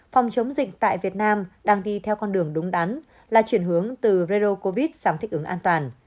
phòng chống dịch tại việt nam đang đi theo con đường đúng đắn là chuyển hướng từ redo covid sang thích ứng an toàn